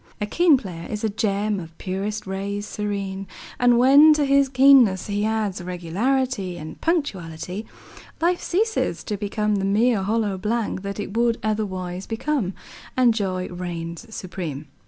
A keen player is a gem of purest rays serene, and when to his keenness he adds regularity and punctuality, life ceases to become the mere hollow blank that it would otherwise become, and joy reigns supreme.